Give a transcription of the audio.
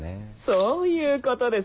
そういうことです